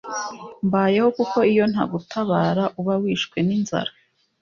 mbayeho kuko iyo ntagutabara uba wishwe ninzara